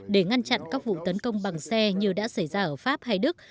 để ngăn chặn các vụ tấn công bằng xe như đã xảy ra ở pháp hay đức